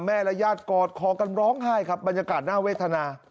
และญาติกอดคอกันร้องไห้ครับบรรยากาศน่าเวทนา